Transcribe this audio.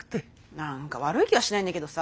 何か悪い気はしないんだけどさ